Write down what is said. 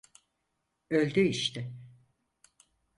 Öldü işte.